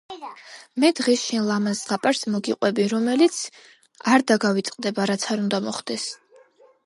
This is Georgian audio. მე დღეს შენ ლამაზ ზღაპარს მოგიყვრბი რომელიც არ დაგავიწყდება რაც არ უნდა მოხდეს